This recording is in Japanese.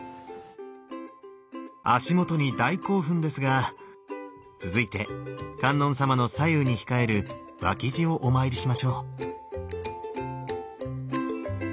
足元に大興奮ですが続いて観音様の左右に控える脇侍をお参りしましょう。